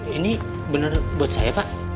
ini benar buat saya pak